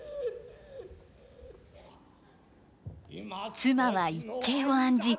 妻は一計を案じ